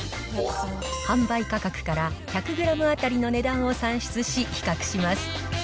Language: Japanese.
販売価格から１００グラム当たりの値段を算出し、比較します。